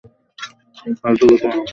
অহ, ফালতু কথা বইলেননা।